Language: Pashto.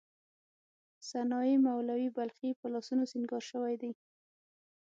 سنايي، مولوی بلخي په لاسونو سینګار شوې دي.